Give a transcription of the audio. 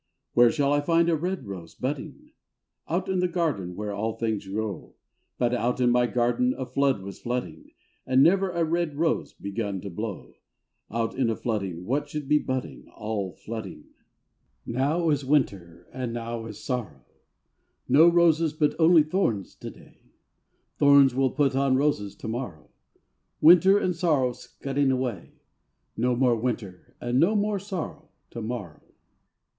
hi. Where shall I find a red rose budding? — Out in the garden where all things grow. — But out in my garden a flood was flooding, And never a red rose begun to blow. Out in a flooding what should b^ budding? All flooding! 154 FROM QUEENS' GARDENS. IV. Now is winter and now is sorrow, No roses but only thorns to day : Thorns will put on roses to morrow, Winter and sorrow scudding away. No more winter and no more sorrow To morrow.